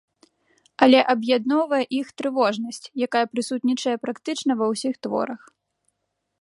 Але аб'ядноўвае іх трывожнасць, якая прысутнічае практычна ва ўсіх творах.